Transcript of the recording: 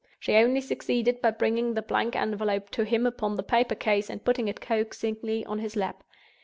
She only succeeded by bringing the blank envelope to him upon the paper case, and putting it coaxingly on his lap.